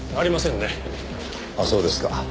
あっそうですか。